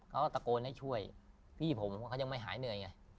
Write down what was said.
เขาก็ตะโกนให้ช่วยพี่ผมเขายังไม่หายเหนื่อยไง